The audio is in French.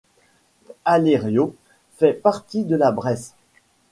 Allériot fait partie de la Bresse.